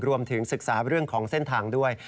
รวมถึงศึกษาเรื่องของเส้นทางด้วย